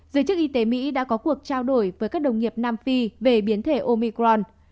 giới chức y tế mỹ đã có cuộc trao đổi với các đồng nghiệp nam phi về biến thể omicron